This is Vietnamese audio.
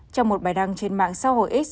trong một bài đăng trên mạng xã hội x